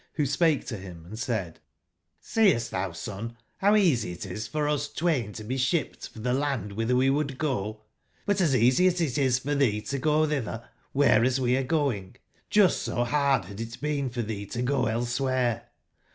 wbo spake to bim and said: ''Seest tbou, son, bow easy it is for us twain to be shipped for tbe land wbitber we would go? But as easy as it is for tbee to go tbitber whereas we are going, just so bard bad it been for thee to go elsewhere.